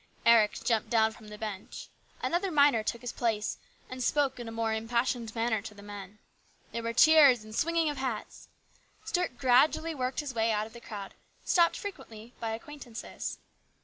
Eric jumped down from the bench ; another miner took his place, and spoke in a more impassioned manner to the men. There were cheers and swinging of hats. Stuart gradually worked his way out of the crowd, stopped frequently by acquaintances.